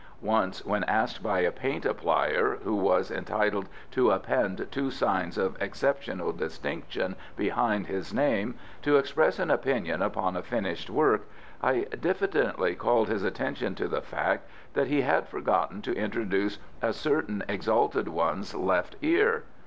Once, when asked by a paint applier who was entitled to append two signs of exceptional distinction behind his name, to express an opinion upon a finished work, I diffidently called his attention to the fact that he had forgotten to introduce a certain exalted one's left ear.